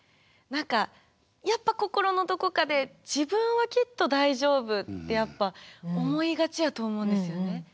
何かやっぱ心のどこかで「自分はきっと大丈夫」ってやっぱ思いがちやと思うんですよね。